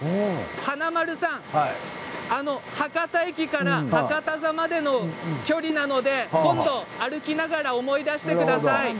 華丸さん、博多駅から博多座までの距離なので今度歩きながら思い出してください。